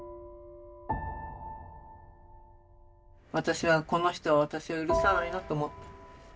私はこの人は私を許さないなと思った。